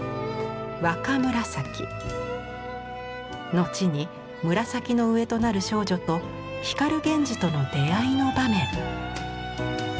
後に紫の上となる少女と光源氏との出会いの場面。